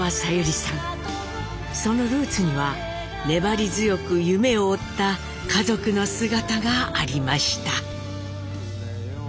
そのルーツには粘り強く夢を追った家族の姿がありました。